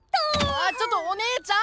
あちょっとお姉ちゃん！